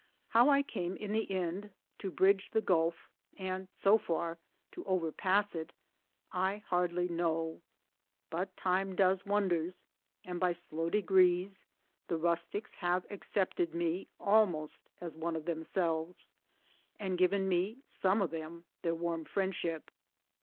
How I came in the end to bridge the gulf and (so far) to overpass it I hardly know ; but Time does wonders, and by slow degrees the rustics have accepted me almost as one of themselves and given me, some of them, their warm! friendship.